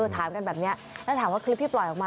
ถามกันแบบนี้แล้วถามว่าคลิปที่ปล่อยออกมา